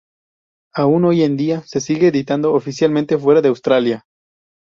Aún hoy en día se sigue editando oficialmente fuera de Australia.